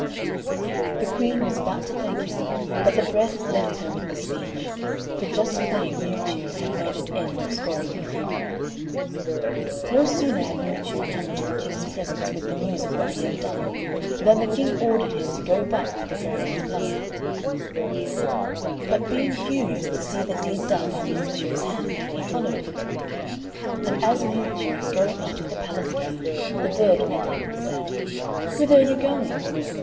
The Queen was about to thank him, but the breath left her with the speech; for just then Miuccio had made an end of scoring the dragon. No sooner had Miuccio come into the King's presence with the news of what he had done than the King ordered him to go back for the dragon's blood; but being curious to see the deed done by Miuccio's hand, he followed him. And as Miuccio was going out of the palace gate, the bird met him, and said, "Whither are you going?"